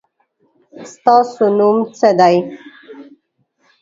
ستاسو نوم څه دی ؟